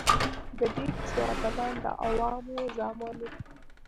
د دې کیسو اتلان د عوامو زامن وو.